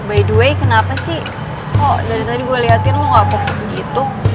by the way kenapa sih kok dari tadi gue liatin lo gak fokus gitu